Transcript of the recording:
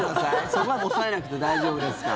そこまで押さえなくて大丈夫ですから。